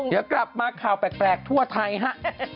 เดี๋ยวกลับมาข่าวแปลกทั่วไทยฮะ